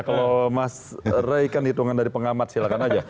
kalau mas ray kan hitungan dari pengamat silahkan aja